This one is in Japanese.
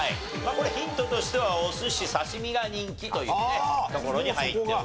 これヒントとしてはお寿司・刺身が人気というところに入っておりました。